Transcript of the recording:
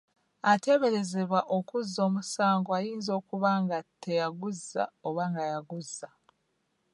Ateeberezebwa okuzza omusango ayinza okuba nga teyaguzza oba nga yaguzza.